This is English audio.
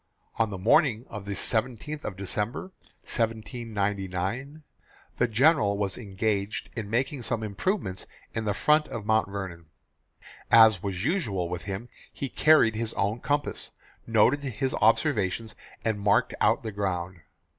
On the morning of the 17th of December, 1799, the General was engaged in making some improvements in the front of Mount Vernon. As was usual with him, he carried his own compass, noted his observations, and marked out the ground.